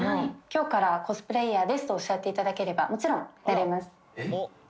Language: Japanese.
「今日からコスプレイヤーです」とおっしゃっていただければもちろんなれますえっ？